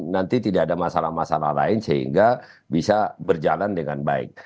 nanti tidak ada masalah masalah lain sehingga bisa berjalan dengan baik